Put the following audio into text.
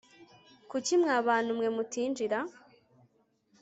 Kuki mwa bantu mwe mutinjira